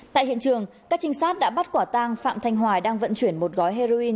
tại hiện trường các trinh sát đã bắt quả tang phạm thanh hoài đang vận chuyển một gói heroin